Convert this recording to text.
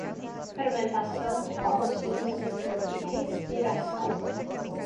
Fermentação, fotossíntese e respiração